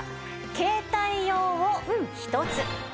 携帯用を１つ。